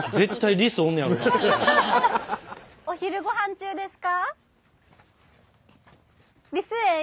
お昼ごはん中ですか？